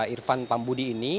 irfan pambudi ini